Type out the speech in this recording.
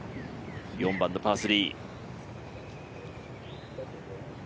４番のパー３。